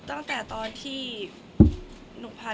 แต่ขวัญไม่สามารถสวมเขาให้แม่ขวัญได้